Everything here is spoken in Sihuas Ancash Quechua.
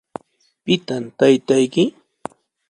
¿Pitaq taytayki?